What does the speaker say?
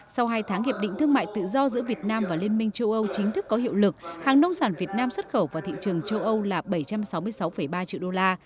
sau hai tháng hiệp định thương mại tự do giữa việt nam và liên minh châu âu chính thức có hiệu lực hàng nông sản việt nam xuất khẩu vào thị trường châu âu là bảy trăm sáu mươi sáu ba triệu đô la